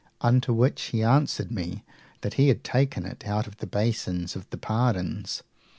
Unto which he answered me that he had taken it out of the basins of the pardons.